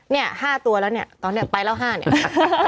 เนี่ย๕ตัวแล้วเนี่ยตอนนี้ไปแล้ว๕เนี่ยค่ะ